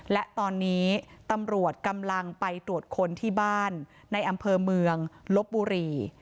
และตอนนี้ตำรวจกำลังไปตรวจค้นที่บ้านในอำเภอเมืองลบบุรี